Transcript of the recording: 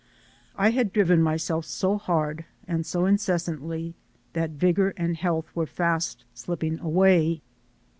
I had driven myself so hard and so incessantly that vigor and health were fast slipping away.